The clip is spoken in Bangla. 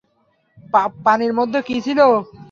পানির মধ্যে কি ছিল?